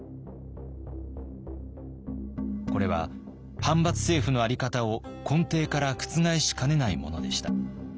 これは藩閥政府の在り方を根底から覆しかねないものでした。